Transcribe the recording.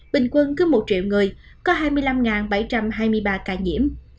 bình quân cứ một triệu người có hai mươi năm bảy trăm hai mươi ba ca nhiễm